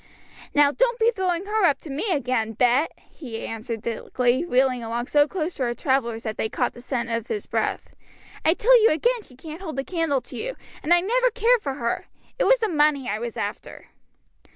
"Now don't be throwing her up to me again, Bet," he answered thickly, reeling along so close to our travellers that they caught the scent of his breath; "I tell you again she can't hold a candle to you, and I never cared for her; it was the money I was after."